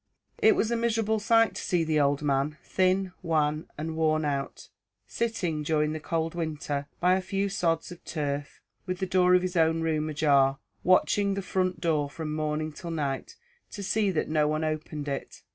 It was a miserable sight to see the old man, thin, wan, and worn out, sitting during that cold winter, by a few sods of turf, with the door of his own room ajar, watching the front door from morning till night, to see that no one opened it.